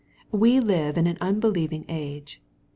We live in an unbelieving age.